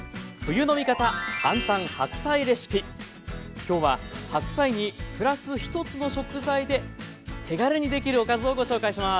今日は白菜にプラス１つの食材で手軽にできるおかずをご紹介します。